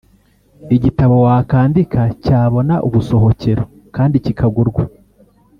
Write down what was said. igitabo wakwandika cyabona ubusohokero kandi kikagurwa